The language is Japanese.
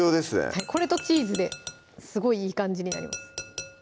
はいこれとチーズですごいいい感じになります